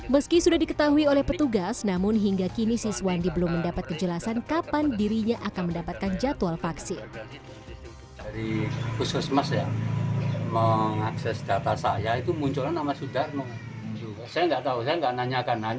meski sudah diketahui oleh petugas namun hingga kini siswandi belum mendapat kejelasan kapan dirinya akan mendapatkan jadwal vaksin